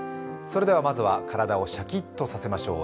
それでは、まずは体をシャキッとさせましょう。